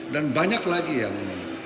dan banyak lagi yang